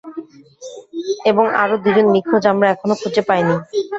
এবং আরো দুইজন নিখোঁজ আমরা এখনো খুঁজে পাইনি।